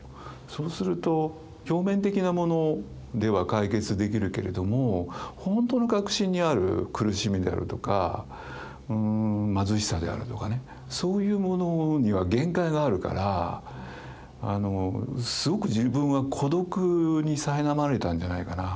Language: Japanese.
そうすると表面的なものでは解決できるけれども本当の核心にある苦しみであるとか貧しさであるとかねそういうものには限界があるからすごく自分は孤独にさいなまれたんじゃないかな。